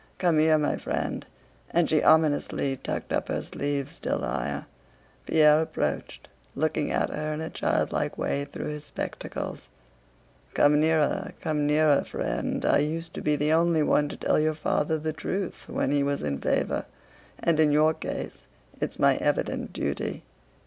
"Come here, my friend..." and she ominously tucked up her sleeves still higher. Pierre approached, looking at her in a childlike way through his spectacles. "Come nearer, come nearer, friend! I used to be the only one to tell your father the truth when he was in favor, and in your case it's my evident duty."